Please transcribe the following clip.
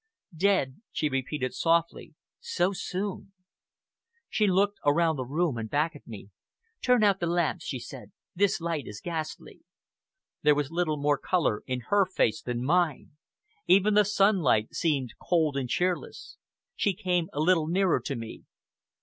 "Dead," she repeated softly, "so soon!" She looked around the room and back at me. "Turn out the lamps," she said. "This light is ghastly." There was little more color in her face than mine. Even the sunlight seemed cold and cheerless. She came a little nearer to me.